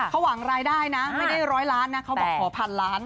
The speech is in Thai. เขาหวังรายได้นะไม่ได้ร้อยล้านนะเขาบอกขอพันล้าน